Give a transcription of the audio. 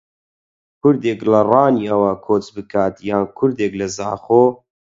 کوردێک لە ڕانیەوە کۆچ بکات یان کوردێک لە زاخۆ